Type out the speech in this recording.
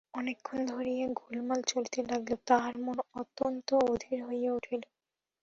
অনেকক্ষণ ধরিয়া গোলমাল চলিতে লাগিল– তাঁহার মন অত্যন্ত অধীর হইয়া উঠিল।